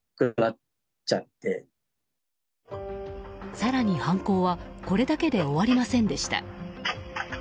更に、犯行はこれだけで終わりませんでした。